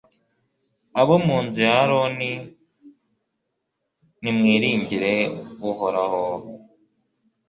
abo mu nzu ya aroni, nimwiringire uhoraho